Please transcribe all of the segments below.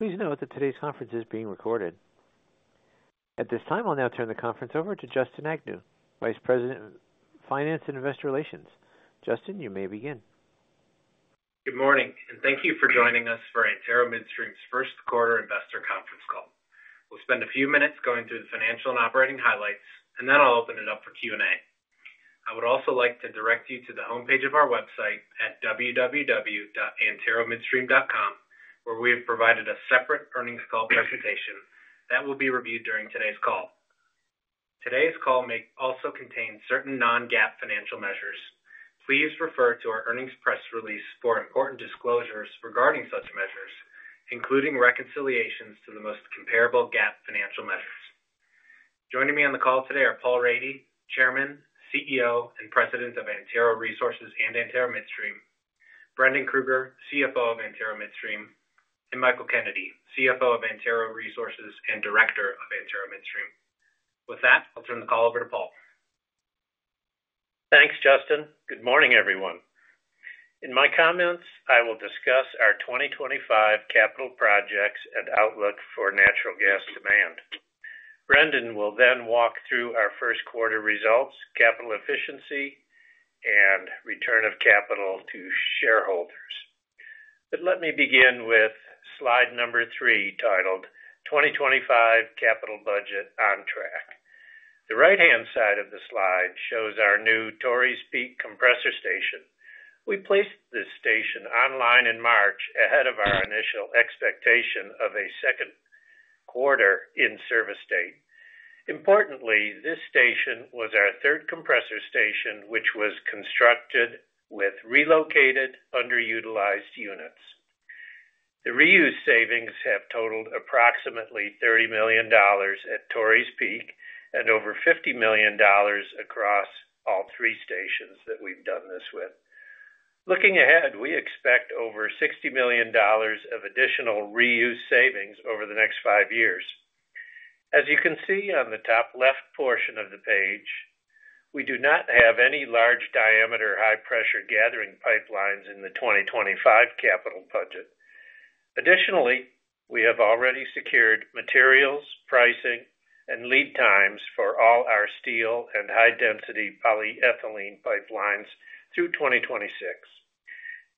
Please note that today's conference is being recorded. At this time, I'll now turn the conference over to Justin Agnew, Vice President of Finance and Investor Relations. Justin, you may begin. Good morning, and thank you for joining us for Antero Midstream's Q1 Investor Conference Call. We'll spend a few minutes going through the financial and operating highlights, and then I'll open it up for Q&A. I would also like to direct you to the homepage of our website at www.anteromidstream.com, where we have provided a separate earnings call presentation that will be reviewed during today's call. Today's call may also contain certain non-GAAP financial measures. Please refer to our earnings press release for important disclosures regarding such measures, including reconciliations to the most comparable GAAP financial measures. Joining me on the call today are Paul Rady, Chairman, CEO, and President of Antero Resources and Antero Midstream; Brendan Krueger, CFO of Antero Midstream; and Michael Kennedy, CFO of Antero Resources and Director of Antero Midstream. With that, I'll turn the call over to Paul. Thanks, Justin. Good morning, everyone. In my comments, I will discuss our 2025 capital projects and outlook for natural gas demand. Brendan will then walk through our Q1 results, capital efficiency, and return of capital to shareholders. Let me begin with slide number three, titled 2025 Capital Budget on Track. The right-hand side of the slide shows our new Torreys Peak Compressor Station. We placed this station online in March ahead of our initial expectation of a Q2 in service date. Importantly, this station was our third compressor station, which was constructed with relocated, underutilized units. The reuse savings have totaled approximately $30 million at Torreys Peak and over $50 million across all three stations that we've done this with. Looking ahead, we expect over $60 million of additional reuse savings over the next five years. As you can see on the top left portion of the page, we do not have any large-diameter high-pressure gathering pipelines in the 2025 capital budget. Additionally, we have already secured materials, pricing, and lead times for all our steel and high-density polyethylene pipelines through 2026.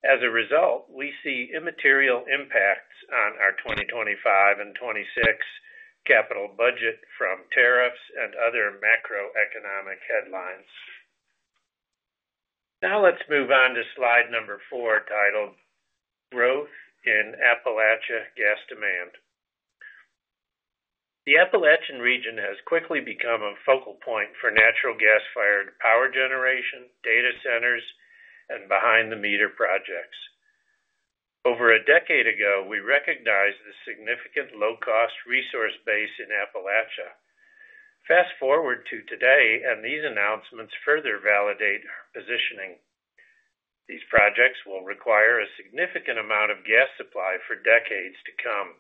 As a result, we see immaterial impacts on our 2025 and 2026 capital budget from tariffs and other macroeconomic headlines. Now let's move on to slide number four, titled Growth in Appalachia Gas Demand. The Appalachian region has quickly become a focal point for natural gas-fired power generation, data centers, and behind-the-meter projects. Over a decade ago, we recognized the significant low-cost resource base in Appalachia. Fast forward to today, and these announcements further validate our positioning. These projects will require a significant amount of gas supply for decades to come.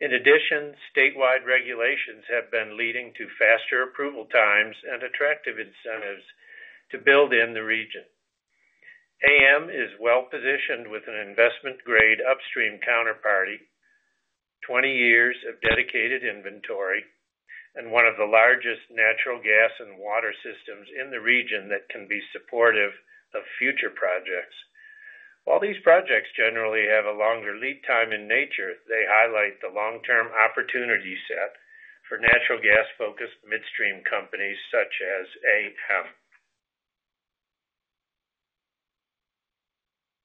In addition, statewide regulations have been leading to faster approval times and attractive incentives to build in the region. AM is well-positioned with an investment-grade upstream counterparty, 20 years of dedicated inventory, and one of the largest natural gas and water systems in the region that can be supportive of future projects. While these projects generally have a longer lead time in nature, they highlight the long-term opportunity set for natural gas-focused midstream companies such as AM.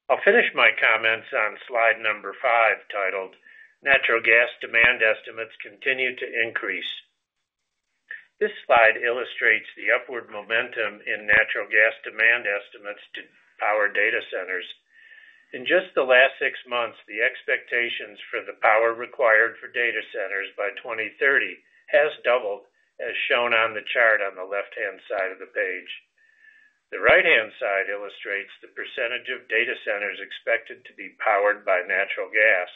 I'll finish my comments on slide number five, titled Natural Gas Demand Estimates Continue to Increase. This slide illustrates the upward momentum in natural gas demand estimates to power data centers. In just the last six months, the expectations for the power required for data centers by 2030 have doubled, as shown on the chart on the left-hand side of the page. The right-hand side illustrates the percentage of data centers expected to be powered by natural gas,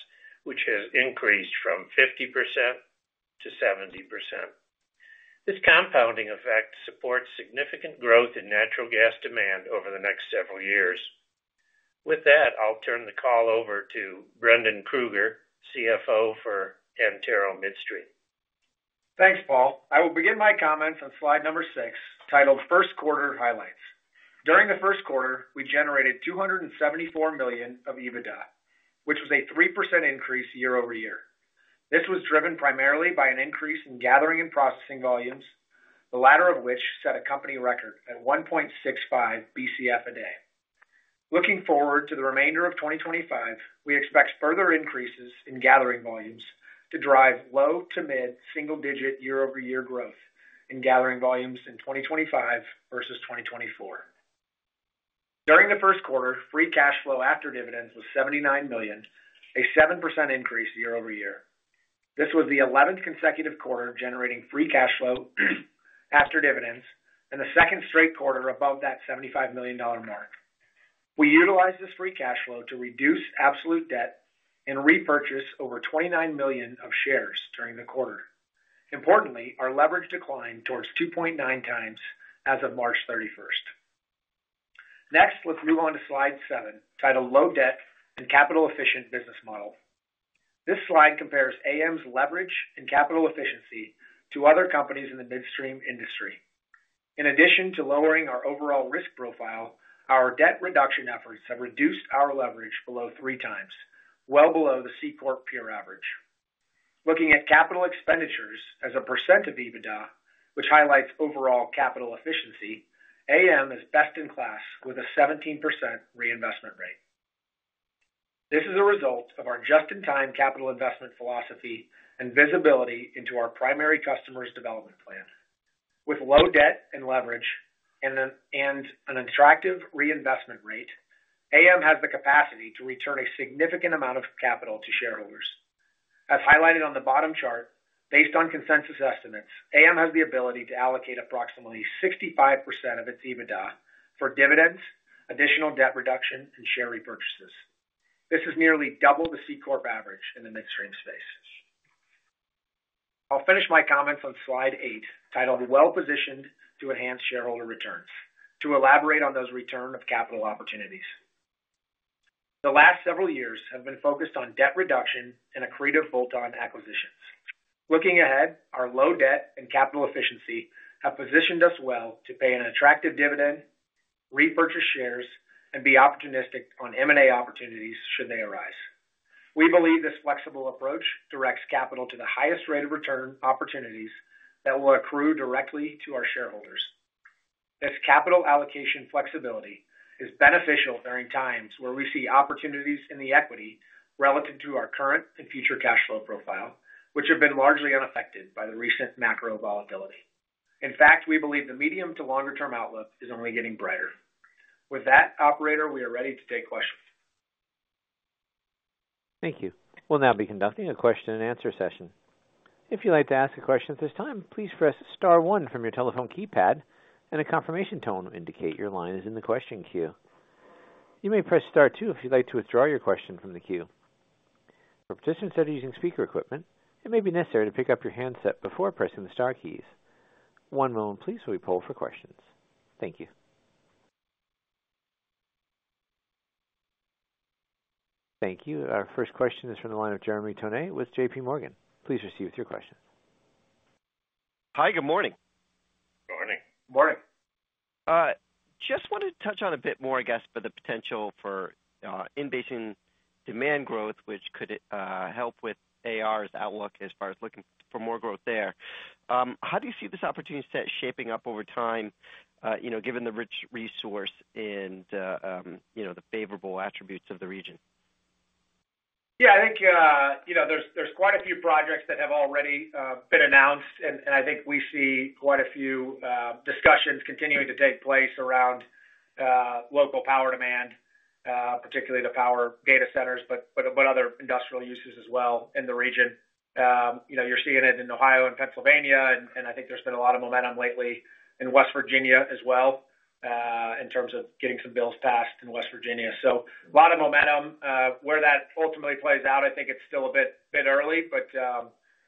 which has increased from 50% to 70%. This compounding effect supports significant growth in natural gas demand over the next several years. With that, I'll turn the call over to Brendan Krueger, CFO for Antero Midstream. Thanks, Paul. I will begin my comments on slide number six, titled Q1 Highlights. During the Q1, we generated $274 million of EBITDA, which was a 3% increase year-over-year. This was driven primarily by an increase in gathering and processing volumes, the latter of which set a company record at 1.65 BCF a day. Looking forward to the remainder of 2025, we expect further increases in gathering volumes to drive low to mid single-digit year-over-year growth in gathering volumes in 2025 versus 2024. During the Q1, free cash flow after dividends was $79 million, a 7% increase year-over-year. This was the 11th consecutive quarter generating free cash flow after dividends and the second straight quarter above that $75 million mark. We utilized this free cash flow to reduce absolute debt and repurchase over $29 million of shares during the quarter. Importantly, our leverage declined towards 2.9 times as of March 31. Next, let's move on to slide seven, titled Low Debt and Capital-Efficient Business Model. This slide compares AM's leverage and capital efficiency to other companies in the midstream industry. In addition to lowering our overall risk profile, our debt reduction efforts have reduced our leverage below three times, well below the C Corp peer average. Looking at capital expenditures as a percent of EBITDA, which highlights overall capital efficiency, AM is best in class with a 17% reinvestment rate. This is a result of our just-in-time capital investment philosophy and visibility into our primary customers' development plan. With low debt and leverage and an attractive reinvestment rate, AM has the capacity to return a significant amount of capital to shareholders. As highlighted on the bottom chart, based on consensus estimates, AM has the ability to allocate approximately 65% of its EBITDA for dividends, additional debt reduction, and share repurchases. This is nearly double the C Corp average in the midstream space. I'll finish my comments on slide eight, titled Well-Positioned to Enhance Shareholder Returns, to elaborate on those return of capital opportunities. The last several years have been focused on debt reduction and accretive bolt-on acquisitions. Looking ahead, our low debt and capital efficiency have positioned us well to pay an attractive dividend, repurchase shares, and be opportunistic on M&A opportunities should they arise. We believe this flexible approach directs capital to the highest rate of return opportunities that will accrue directly to our shareholders. This capital allocation flexibility is beneficial during times where we see opportunities in the equity relative to our current and future cash flow profile, which have been largely unaffected by the recent macro volatility. In fact, we believe the medium to longer-term outlook is only getting brighter. With that, operator, we are ready to take questions. Thank you. We'll now be conducting a question-and-answer session. If you'd like to ask a question at this time, please press star one from your telephone keypad, and a confirmation tone will indicate your line is in the question queue. You may press star two if you'd like to withdraw your question from the queue. For participants that are using speaker equipment, it may be necessary to pick up your handset before pressing the star keys. One moment, please, while we poll for questions. Thank you. Thank you, our first question is from the line of Jeremy Tonet with JPMorgan. Please proceed with your questions. Hi, good morning. Good morning. Morning. Just wanted to touch on a bit more, I guess, about the potential for in-basin demand growth, which could help with AR's outlook as far as looking for more growth there. How do you see this opportunity set shaping up over time, given the rich resource and the favorable attributes of the region? Yeah, I think there's quite a few projects that have already been announced, and I think we see quite a few discussions continuing to take place around local power demand, particularly the power data centers, but other industrial uses as well in the region. You're seeing it in Ohio and Pennsylvania, and I think there's been a lot of momentum lately in West Virginia as well in terms of getting some bills passed in West Virginia. A lot of momentum. Where that ultimately plays out, I think it's still a bit early, but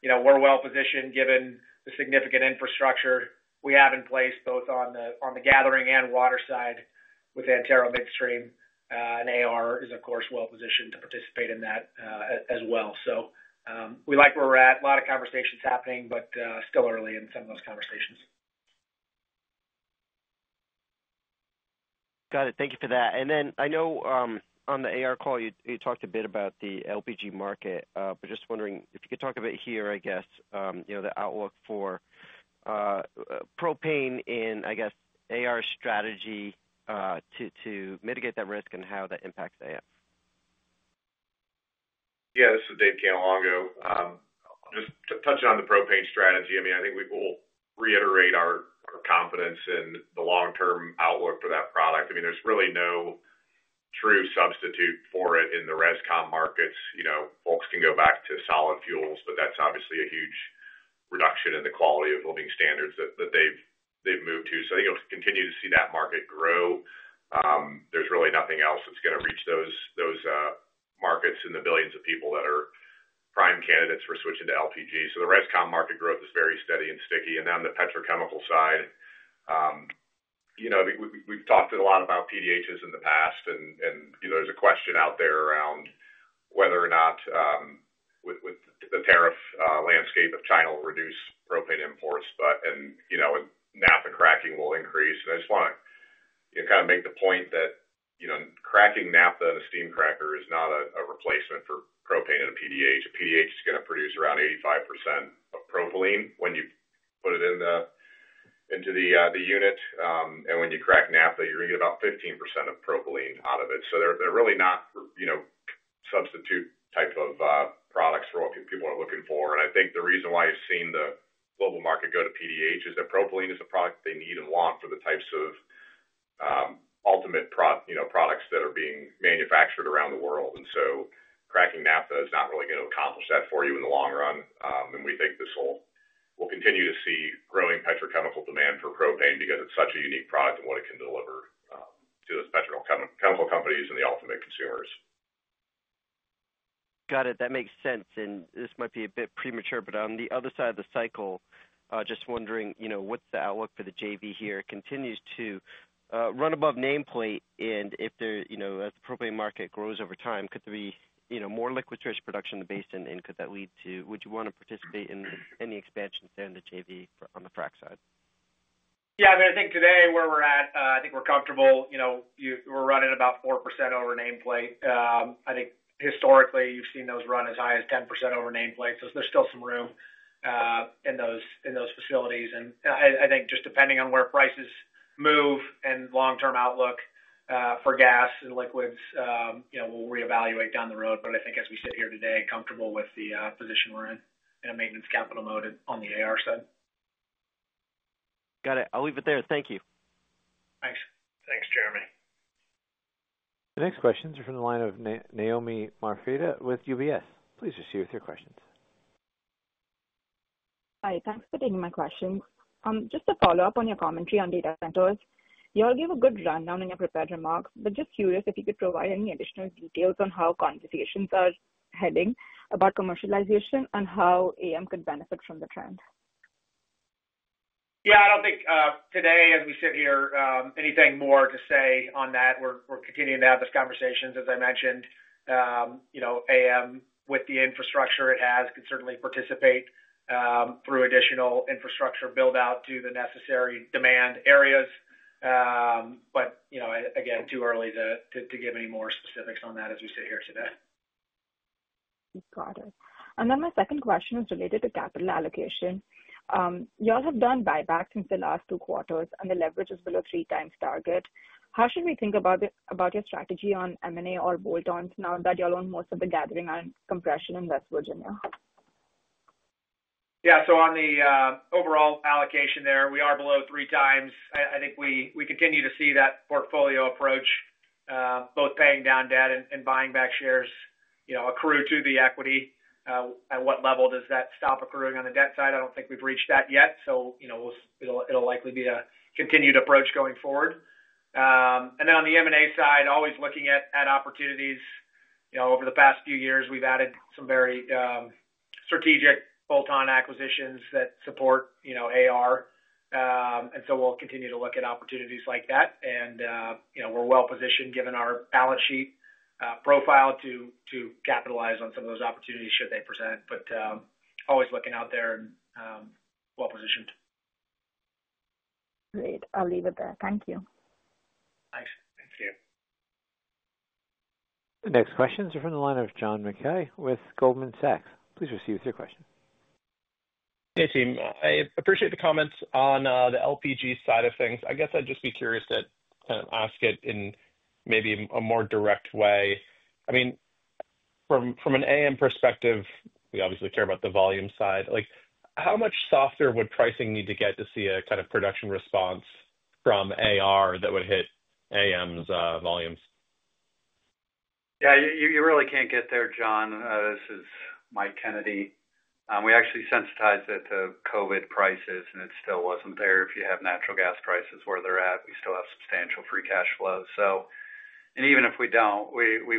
we're well-positioned given the significant infrastructure we have in place both on the gathering and water side with Antero Midstream, and AR is, of course, well-positioned to participate in that as well. We like where we're at. A lot of conversations happening, but still early in some of those conversations. Got it. Thank you for that. I know on the AR call, you talked a bit about the LPG market, but just wondering if you could talk a bit here, I guess, the outlook for propane and, I guess, AR strategy to mitigate that risk and how that impacts AM. Yeah, this is David Cannelongo. Just touching on the propane strategy, I mean, I think we will reiterate our confidence in the long-term outlook for that product. I mean, there's really no true substitute for it in the Res/Com markets. Folks can go back to solid fuels, but that's obviously a huge reduction in the quality of living standards that they've moved to. I think you'll continue to see that market grow. There's really nothing else that's going to reach those markets and the billions of people that are prime candidates for switching to LPG. The ResCom market growth is very steady and sticky. On the petrochemical side, we've talked a lot about PDHs in the past, and there's a question out there around whether or not, with the tariff landscape of China, will reduce propane imports, and naphtha cracking will increase. I just want to kind of make the point that cracking naphtha in a steam cracker is not a replacement for propane and a PDH. A PDH is going to produce around 85% of propylene when you put it into the unit, and when you crack naphtha, you're going to get about 15% of propylene out of it. They are really not substitute type of products for what people are looking for. I think the reason why you've seen the global market go to PDH is that propylene is a product they need and want for the types of ultimate products that are being manufactured around the world. Cracking naphtha is not really going to accomplish that for you in the long run. We think this will continue to see growing petrochemical demand for propane because it's such a unique product and what it can deliver to those petrochemical companies and the ultimate consumers. Got it. That makes sense. This might be a bit premature, but on the other side of the cycle, just wondering what's the outlook for the JV here. It continues to run above nameplate, and if the propane market grows over time, could there be more liquids-rich production in the basin, and could that lead to—would you want to participate in any expansion there in the JV on the frac side? Yeah, I mean, I think today where we're at, I think we're comfortable. We're running about 4% over nameplate. I think historically, you've seen those run as high as 10% over nameplate, so there's still some room in those facilities. I think just depending on where prices move and long-term outlook for gas and liquids, we'll reevaluate down the road. I think as we sit here today, comfortable with the position we're in and a maintenance capital mode on the AR side. Got it. I'll leave it there. Thank you. Thanks. Thanks, Jeremy. The next questions are from the line of Naomi Marfatia with UBS. Please proceed with your questions. Hi, thanks for taking my questions. Just to follow-up on your commentary on data centers, you all gave a good rundown in your prepared remarks, but just curious if you could provide any additional details on how conversations are heading about commercialization and how AM could benefit from the trend. Yeah, I don't think today, as we sit here, anything more to say on that. We're continuing to have those conversations, as I mentioned. AM, with the infrastructure it has, can certainly participate through additional infrastructure build-out to the necessary demand areas. Again, too early to give any more specifics on that as we sit here today. Got it. My second question is related to capital allocation. You all have done buybacks since the last two quarters, and the leverage is below three times target. How should we think about your strategy on M&A or bolt-on now that you all own most of the gathering and compression in West Virginia? Yeah, so on the overall allocation there, we are below three times. I think we continue to see that portfolio approach, both paying down debt and buying back shares accrue to the equity. At what level does that stop accruing on the debt side? I do not think we have reached that yet, so it will likely be a continued approach going forward. On the M&A side, always looking at opportunities. Over the past few years, we have added some very strategic bolt-on acquisitions that support AR, and so we will continue to look at opportunities like that. We are well-positioned given our balance sheet profile to capitalize on some of those opportunities should they present, always looking out there and well-positioned. Great. I'll leave it there. Thank you. Thanks. Thank you. The next questions are from the line of John Mackay with Goldman Sachs. Please proceed with your question. Hey, team. I appreciate the comments on the LPG side of things. I guess I'd just be curious to kind of ask it in maybe a more direct way. I mean, from an AM perspective, we obviously care about the volume side. How much softer would pricing need to get to see a kind of production response from AR that would hit AM's volumes? Yeah, you really can't get there, John. This is Mike Kennedy. We actually sensitized it to COVID prices, and it still wasn't there. If you have natural gas prices where they're at, we still have substantial free cash flow. And even if we don't, we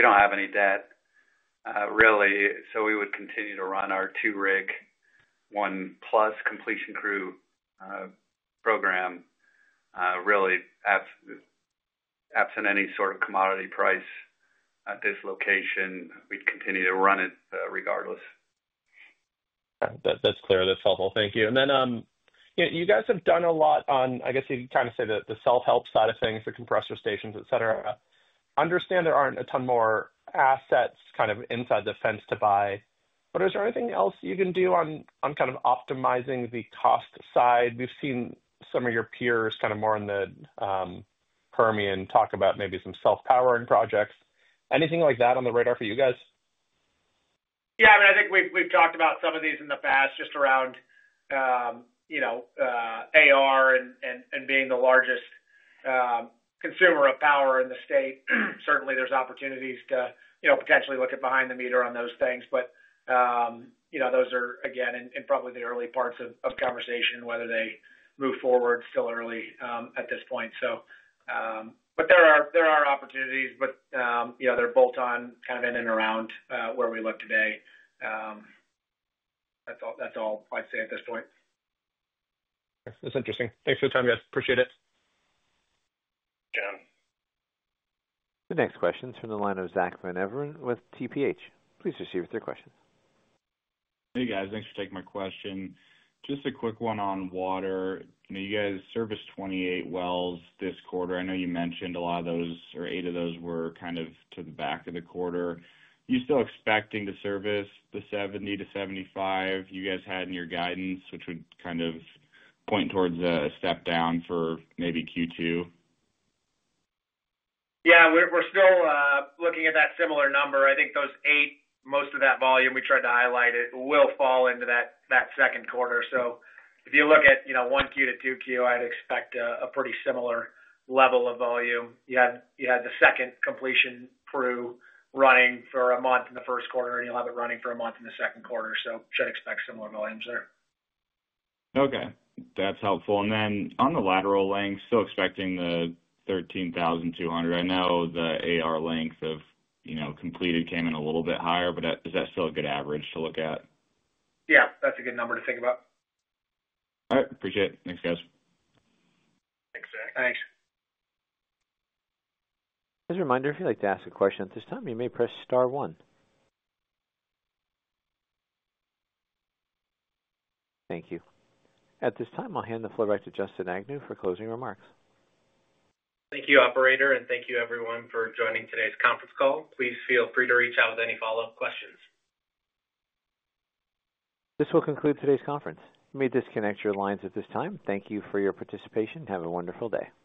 don't have any debt, really. So we would continue to run our two-rig, one-plus completion crew program, really absent any sort of commodity price at this location. We'd continue to run it regardless. That's clear. That's helpful, thank you. You guys have done a lot on, I guess you'd kind of say, the self-help side of things for compressor stations, etc. I understand there aren't a ton more assets kind of inside the fence to buy. Is there anything else you can do on kind of optimizing the cost side? We've seen some of your peers kind of more on the Permian talk about maybe some self-powering projects. Anything like that on the radar for you guys? Yeah, I mean, I think we've talked about some of these in the past just around AR and being the largest consumer of power in the state. Certainly, there's opportunities to potentially look at behind the meter on those things, but those are, again, in probably the early parts of conversation, whether they move forward still early at this point. There are opportunities, but they're bolt-on kind of in and around where we look today. That's all I'd say at this point. That's interesting. Thanks for the time, guys. Appreciate it. John. The next question is from the line of Zack Van Everen with TPH. Please proceed with your questions. Hey, guys. Thanks for taking my question. Just a quick one on water. You guys service 28 wells this quarter. I know you mentioned a lot of those, or eight of those were kind of to the back of the quarter. Are you still expecting to service the 70-75 you guys had in your guidance, which would kind of point towards a step down for maybe Q2? Yeah, we're still looking at that similar number. I think those eight, most of that volume we tried to highlight, it will fall into that Q2. If you look at Q1 to Q2, I'd expect a pretty similar level of volume. You had the second completion crew running for a month in the Q1, and you'll have it running for a month in the Q2. You should expect similar volumes there. Okay. That's helpful. Then on the lateral length, still expecting the 13,200. I know the AR length of completed came in a little bit higher, but is that still a good average to look at? Yeah, that's a good number to think about. All right. Appreciate it. Thanks, guys. Thanks, Zack. Thanks. As a reminder, if you'd like to ask a question at this time, you may press star one. Thank you. At this time, I'll hand the floor back to Justin Agnew for closing remarks. Thank you, operator, and thank you, everyone, for joining today's conference call. Please feel free to reach out with any follow-up questions. This will conclude today's conference. You may disconnect your lines at this time. Thank you for your participation. Have a wonderful day.